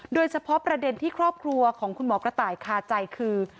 โดยเฉพาะประเด็นที่ครอบครัวของคุณหมอกระต่ายคาใจคือ